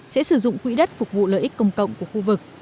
sẽ sử dụng quỹ đất phục vụ lợi ích công cộng của khu vực